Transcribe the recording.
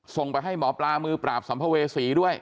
ส่งไปให้หมอปลามือปราบสัมภเวษีด้วย